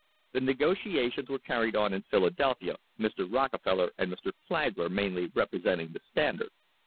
The negoti tions were carried on in Philadelphia, Mr. Rockefeller and r. Flagler mainly representing the Standard.